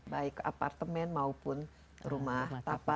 baik apartemen maupun rumah tapa